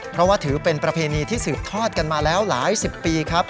เพราะว่าถือเป็นประเพณีที่สืบทอดกันมาแล้วหลายสิบปีครับ